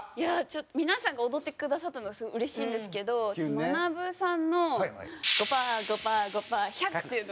皆さんが踊ってくださったのはすごい嬉しいんですけどまなぶさんの５パー５パー５パー１００！っていうのがちょっと。